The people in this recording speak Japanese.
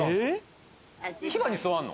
牙に座んの？